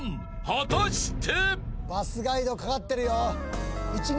果たして］